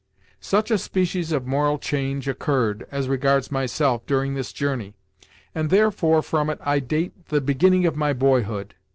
Such a species of moral change occurred, as regards myself, during this journey, and therefore from it I date the beginning of my boyhood.